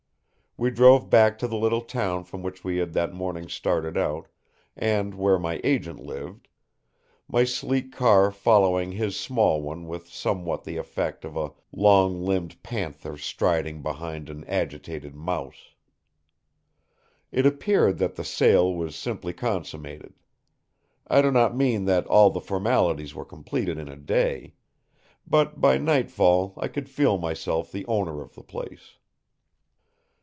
We drove back to the little town from which we had that morning started out, and where my agent lived; my sleek car following his small one with somewhat the effect of a long limbed panther striding behind an agitated mouse. It appeared that the sale was simply consummated. I do not mean that all the formalities were completed in a day. But by nightfall I could feel myself the owner of the place.